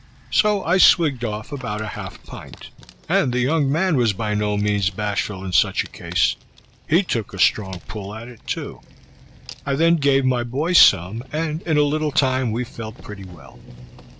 So I swig'd off about a half pint, and the young man was by no means bashful in such a case; he took a strong pull at it too. I then gave my boy some, and in a little time we felt pretty well.